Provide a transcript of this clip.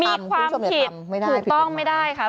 มีความผิดถูกต้องไม่ได้ค่ะ